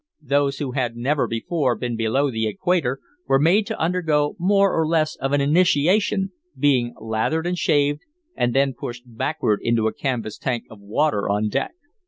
Those who had never before been below the equator were made to undergo more or less of an initiation, being lathered and shaved, and then pushed backward into a canvas tank of water on deck.